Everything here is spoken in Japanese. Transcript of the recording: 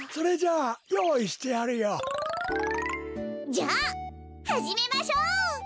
じゃあはじめましょう！